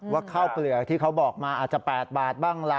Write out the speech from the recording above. ข้าวเปลือกที่เขาบอกมาอาจจะ๘บาทบ้างล่ะ